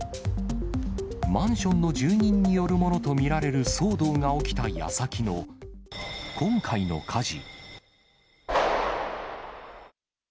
マンションの住人によるものと見られる騒動が起きたやさきの今回の火事。